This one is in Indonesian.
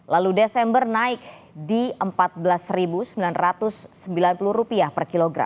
lalu desember naik di rp empat belas sembilan ratus